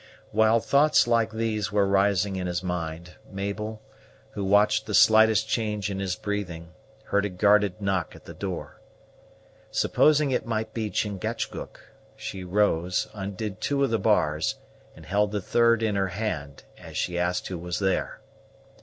While thoughts like these were rising in his mind, Mabel, who watched the slightest change in his breathing, heard a guarded knock at the door. Supposing it might be Chingachgook, she rose, undid two of the bars, and held the third in her hand, as she asked who was there.